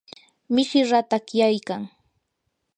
mishii ratakyaykan.